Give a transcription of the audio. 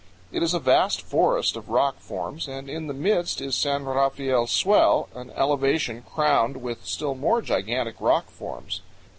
It is a vast forest of rock forms, and in its midst is San Rafael Swell, an elevation crowned with still more gigantic rock forms.